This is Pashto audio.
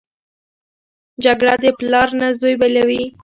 جګړه د پلار نه زوی بېلوي